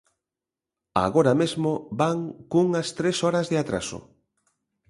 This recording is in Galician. Agora mesmo van cunhas tres horas de atraso.